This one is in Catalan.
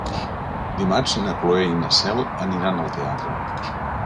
Dimarts na Cloè i na Cel aniran al teatre.